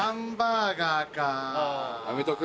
やめとく？